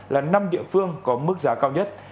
là năm địa phương có mức giá cao nhất